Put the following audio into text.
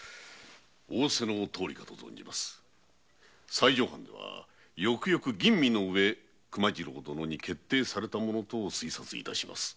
西条藩ではよくよく吟味のうえ熊次郎殿に決定されたものと推察致します。